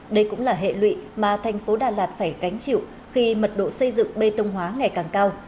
đây cũng là hệ lụy mà thành phố đà lạt phải gánh chịu khi mật độ xây dựng bê tông hóa ngày càng cao